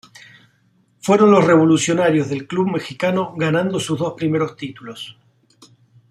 Fueron los revolucionarios del club mexicano ganando sus dos primeros títulos.